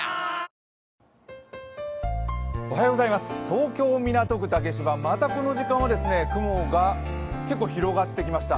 東京・港区竹芝、またこの時間は雲が結構広がってきました。